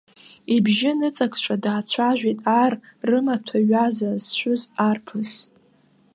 Ибжьы ныҵакшәа даацәажәеит ар рымаҭәа ҩаза зшәыз арԥыс.